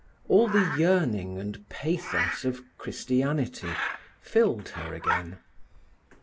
All the yearning and pathos of Christianity filled her again.